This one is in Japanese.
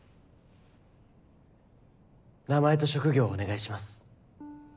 名前と職業をお願いします。